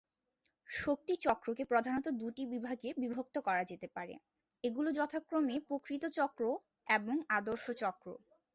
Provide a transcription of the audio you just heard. শক্তি চক্রকে প্রধানত দুটি বিভাগে বিভক্ত করা যেতে পারে: এগুলো যথাক্রমে প্রকৃত চক্র এবং আদর্শ চক্র।